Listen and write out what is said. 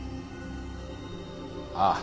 ああ